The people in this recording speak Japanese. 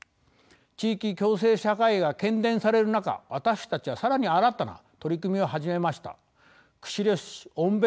地域共生社会が喧伝される中私たちは更に新たな取り組みを始めました。